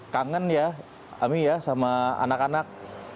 kangen ya ami ya sama anak anak